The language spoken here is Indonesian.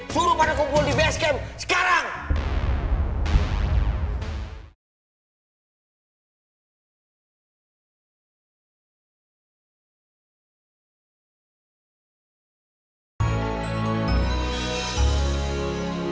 suruh pada kumpul di basecamp sekarang